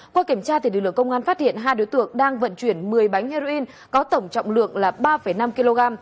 qua kiểm tra lực lượng công an phát hiện hai đối tượng đang vận chuyển một mươi bánh heroin có tổng trọng lượng là ba năm kg